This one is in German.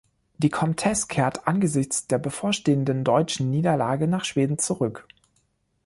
Die Komtess kehrt angesichts der bevorstehenden deutschen Niederlage nach Schweden zurück.